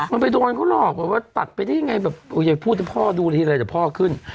เขาไปโดนเขาหลอกแบบว่าตัดได้ยังไงอย่าไปพูดแต่พ่อดูไว้พอขึ้น